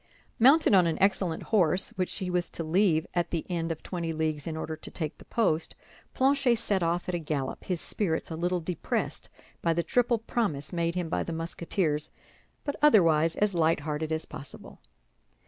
Mounted on an excellent horse, which he was to leave at the end of twenty leagues in order to take the post, Planchet set off at a gallop, his spirits a little depressed by the triple promise made him by the Musketeers, but otherwise as light hearted as possible.